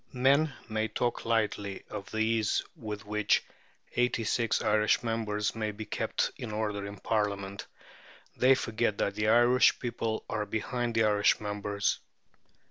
Men may talk lightly of the ease with which eighty six Irish members may be kept in order in Parliament. They forget that the Irish people are behind the Irish members.